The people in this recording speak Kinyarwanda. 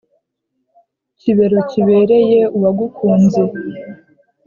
Kibero kibereye uwagukunze